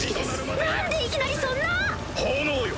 何でいきなりそんな⁉炎よ